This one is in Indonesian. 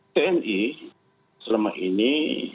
tni selama ini